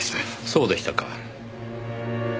そうでしたか。